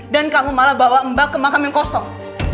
dan kamu malah bawa mbak ke makam yang kosong